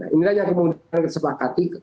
ini kan yang kita sepakati